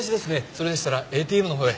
それでしたらＡＴＭのほうへ。